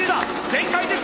全開です！